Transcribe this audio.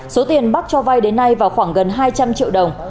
số tiền bác cho vai đến nay vào khoảng gần hai trăm linh triệu đồng